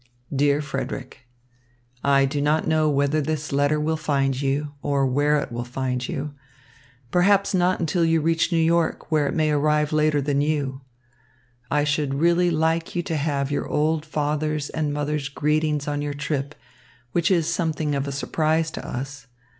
Dear Frederick, I do not know whether this letter will find you, or where it will find you. Perhaps not until you reach New York, where it may arrive later than you. I should really like you to have your old father's and mother's greetings on your trip, which is something of a surprise to us.